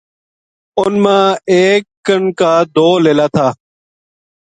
اُن ما اِکن کا دو لیلا تھا